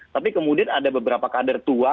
tapi kemudian ada beberapa kader tua